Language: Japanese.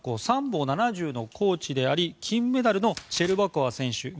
サンボ７０のコーチである金メダルのシェルバコワ選手